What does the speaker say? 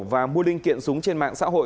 và mua linh kiện súng trên mạng xã hội